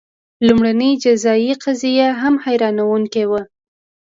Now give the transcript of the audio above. لومړنۍ جزايي قضیه هم حیرانوونکې وه.